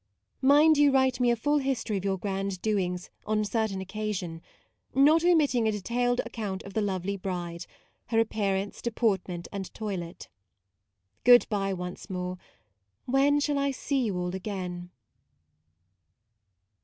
Mind you write me a full history of your grand doings on a certain occasion; not omitting a detailed account of the lovely bride, her appearance, deportment, and toilet. Good bye once more : when shall I see you all again